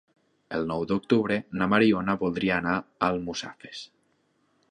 El nou d'octubre na Mariona voldria anar a Almussafes.